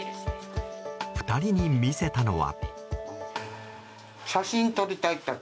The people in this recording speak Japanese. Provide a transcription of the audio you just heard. ２人に見せたのは。